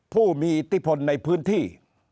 ผู้มีอิติภัณฑ์ในพื้นที่